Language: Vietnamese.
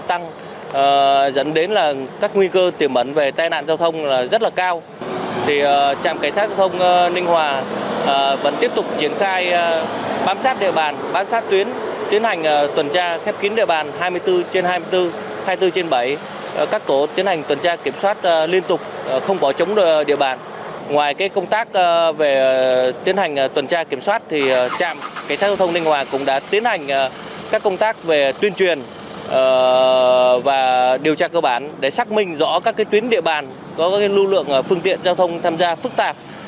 trạm cảnh sát giao thông ninh hòa cũng đã tiến hành các công tác về tuyên truyền và điều tra cơ bản để xác minh rõ các tuyến địa bàn có các lưu lượng phương tiện giao thông tham gia phức tạp